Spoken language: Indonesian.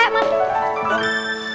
harus nyusul mungkin aja